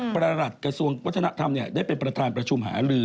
ประหลัดกระทรวงวัฒนธรรมได้เป็นประธานประชุมหาลือ